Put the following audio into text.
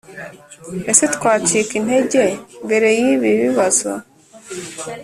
ese, twacika intege mbere y'ibi bibazo ?